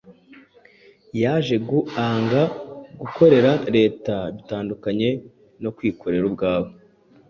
Naje guanga gukorera reta bitandukanye no kwikorera ubwawe